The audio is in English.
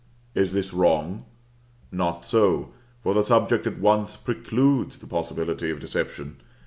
Is this wrong? Not so: for the subject at once precludes the possibility of deception.